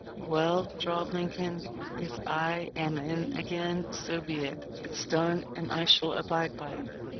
"Well," drawled Lincoln, "if I am in again, so be it. It's done, and I shall abide by it."